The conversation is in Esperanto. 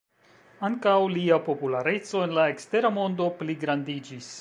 Ankaŭ lia populareco en la ekstera mondo pligrandiĝis.